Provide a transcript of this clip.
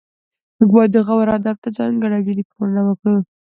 موږ باید د غور ادب ته ځانګړې او جدي پاملرنه وکړو